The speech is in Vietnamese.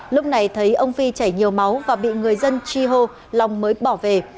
lúc này thấy ông phi chảy nhiều máu và bị người dân chi hô lòng mới bỏ về